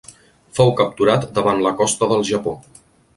Fou capturat davant la costa del Japó.